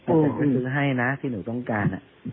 อาจารย์ก็ซื้อให้นะที่หนูต้องการ